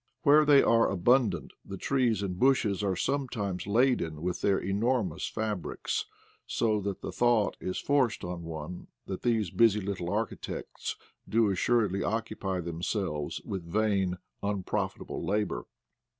Where they are abundant the trees and bushes are sometimes laden with their enormous fabrics, so that the thought is forced on one that these busy little architects do assuredly occupy themselves with a vain unprofitable labor.